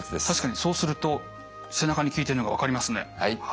確かにそうすると背中に効いてるのが分かりますね。